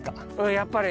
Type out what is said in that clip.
やっぱり。